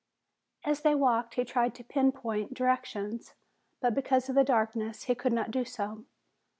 As they walked he tried to pinpoint directions, but because of the darkness he could not do so.